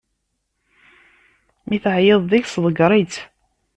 Mi teɛyiḍ deg-s ḍegger-itt.